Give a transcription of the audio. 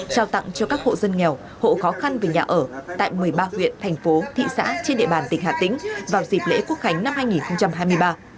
trao tặng cho các hộ dân nghèo hộ khó khăn về nhà ở tại một mươi ba huyện thành phố thị xã trên địa bàn tỉnh hà tĩnh vào dịp lễ quốc khánh năm hai nghìn hai mươi ba